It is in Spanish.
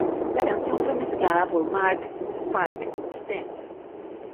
La canción fue mezclada por Mark 'Spike' Stent.